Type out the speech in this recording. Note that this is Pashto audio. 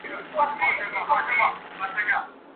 بې ګناه د انتقام په اور کي سوځي !.